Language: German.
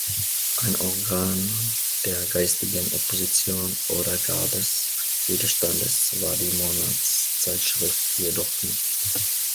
Ein Organ der geistigen Opposition oder gar des Widerstandes war die Monatszeitschrift jedoch nicht.